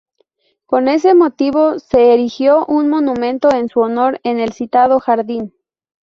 Con ese motivo se erigió un monumento en su honor en el citado jardín.